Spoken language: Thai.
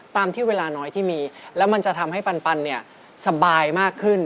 ตามที่เวลาน้อยที่มีแล้วมันจะทำให้ปันเนี่ยสบายมากขึ้น